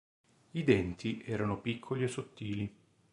I denti erano piccoli e sottili.